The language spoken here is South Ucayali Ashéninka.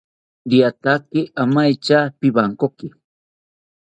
Riataki amaetyaka pipankoki